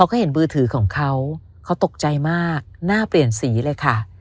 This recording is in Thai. ก็เห็นมือถือของเขาเขาตกใจมากหน้าเปลี่ยนสีเลยค่ะ